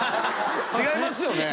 違いますよね？